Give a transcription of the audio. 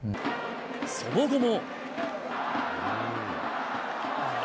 その後も。